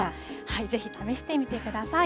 ぜひ試してみてください。